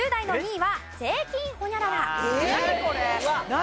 何？